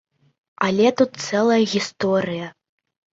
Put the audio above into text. Але тут цэлая гісторыя.